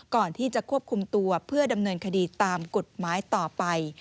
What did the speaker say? ก่อนที่จะควบคุมตัวเพื่อดำเนินคดีตามกฎหมายต่อไป